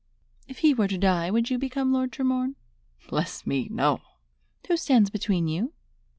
"If he were to die, would you become Lord Tremorne?" "Bless me, no!" "Who stands between you?"